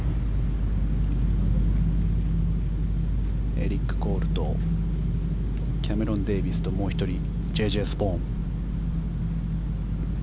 エリック・コールとキャメロン・デービスともう１人、Ｊ．Ｊ．スポーン。